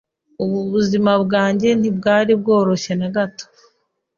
Ubuzima bwanjye ntibwari bworoshye na gato,